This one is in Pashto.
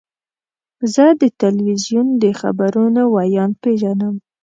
زه د تلویزیون د خبرونو ویاند پیژنم.